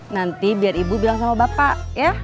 nanti biar ibu bilang sama bapak ya